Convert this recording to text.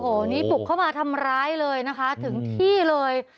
โอ้โหนี่บุกเข้ามาทำร้ายเลยนะคะถึงที่เลย